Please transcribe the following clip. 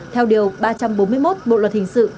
theo điều ba trăm bốn mươi một bộ luật hình sự